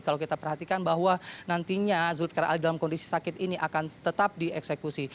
kalau kita perhatikan bahwa nantinya zulkarna ali dalam kondisi sakit ini akan tetap dieksekusi